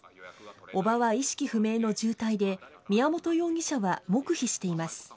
叔母は意識不明の重体で宮本容疑者は黙秘しています。